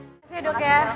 terima kasih dokter